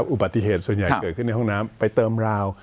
อุบัติเหตุส่วนใหญ่เกิดขึ้นในห้องน้ำไปเติมราว